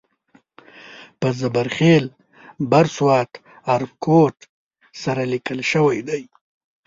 په زبر خېل بر سوات ارکوټ سره لیکل شوی دی.